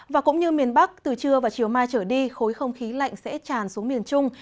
và cũng như miền bắc từ trưa và chiều mai trở đi khối không khí lạnh sẽ tràn xuống miền trung